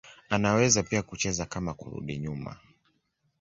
Anaweza pia kucheza kama kurudi nyuma.